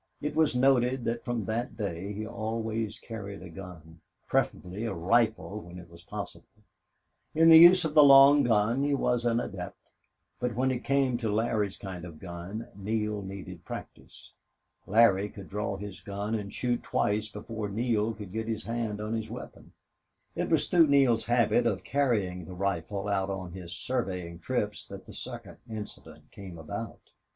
It was noted that from that day he always carried a gun, preferably a rifle when it was possible. In the use of the long gun he was an adept, but when it came to Larry's kind of a gun Neale needed practice. Larry could draw his gun and shoot twice before Neale could get his hand on his weapon. It was through Neale's habit of carrying the rifle out on his surveying trips that the second incident came about.